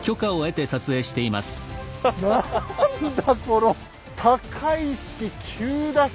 何だこの高いし急だし。